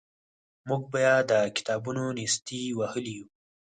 موږ بیا د کتابونو نیستۍ وهلي وو.